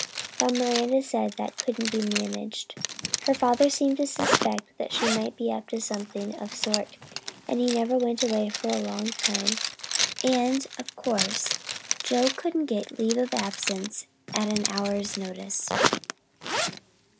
But Miranda said that couldn't be managed. Her father seemed to suspect she might be up to something of the sort and he never went away for long at a time, and, of course, Joe couldn't get leave of absence at an hour's notice.